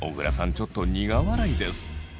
ちょっと苦笑いです。